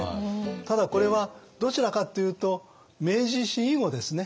ただこれはどちらかっていうと明治維新以後ですね。